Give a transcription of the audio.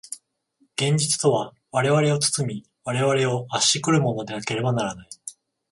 現実とは我々を包み、我々を圧し来るものでなければならない。